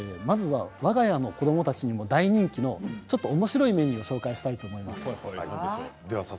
わが家の子どもたちにも大人気のちょっとおもしろいメニューをご紹介したいと思います。